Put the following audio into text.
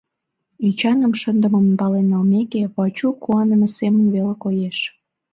Эчаным шындымым пален налмеке, Вачук куаныме семын веле коеш.